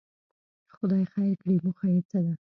خدای خیر کړي، موخه یې څه ده.